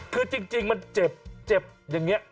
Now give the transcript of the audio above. คือจริงมันเจ็บเจ็บอย่างนี้